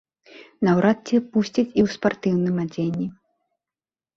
Наўрад ці пусцяць і ў спартыўным адзенні.